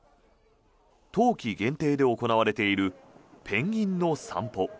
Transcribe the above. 冬季限定で行われているペンギンの散歩。